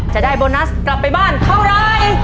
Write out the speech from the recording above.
จะได้โบนัสกลับไปบ้านเท่าไร